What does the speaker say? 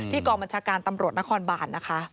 กองบัญชาการตำรวจนครบานนะคะ